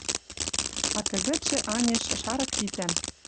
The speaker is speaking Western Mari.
А кӹзӹтшӹ, анеш, шарык витӓм